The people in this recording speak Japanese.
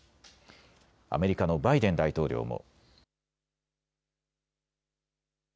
アメリカのバイデン大統領も。